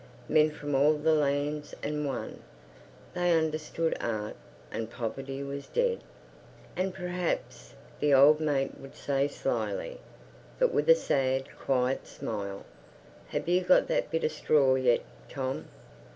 Men from all the lands and one. They understood art and poverty was dead. And perhaps the old mate would say slyly, but with a sad, quiet smile: "Have you got that bit of straw yet, Tom?"